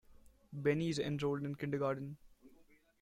Benny is enrolled in kindergarten.